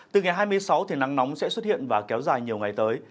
từ ngày hai mươi sáu thì nắng nóng sẽ xuất hiện và kéo dài nhiều ngày tới